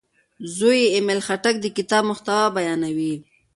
زوی یې ایمل خټک د کتاب محتوا بیانوي.